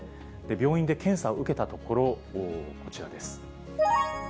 病院で検査を受けたところ、こちらです。